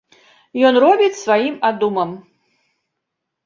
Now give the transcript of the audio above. Ён робіць сваім адумам.